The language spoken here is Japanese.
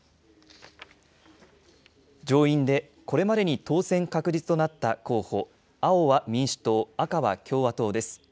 上院でこれまでに当選確実となった候補、青は民主党、赤は共和党です。